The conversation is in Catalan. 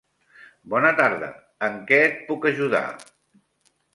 Bona tarda. En què et puc ajudar?